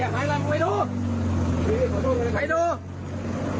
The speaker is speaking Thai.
ไฟไงมึงไปดู